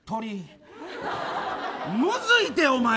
むずいて、お前！